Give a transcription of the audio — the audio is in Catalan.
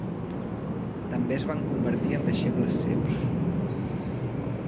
També es van convertir en deixebles seus.